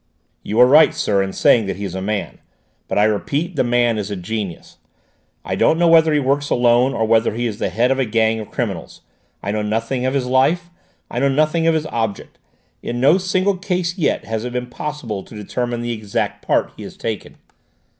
"You are right, sir, in saying he is a man; but I repeat, the man is a genius! I don't know whether he works alone or whether he is the head of a gang of criminals; I know nothing of his life; I know nothing of his object. In no single case yet has it been possible to determine the exact part he has taken.